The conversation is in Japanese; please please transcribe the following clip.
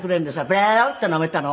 ベロンってなめたのを。